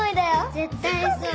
絶対そう。